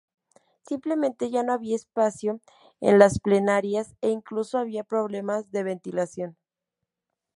Simplemente ya no había espacio en las plenarias e incluso había problemas de ventilación.